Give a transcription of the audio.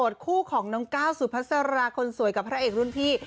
คู่ของน้องก้าวสุพัสราคนสวยกับพระเอกรุ่นพี่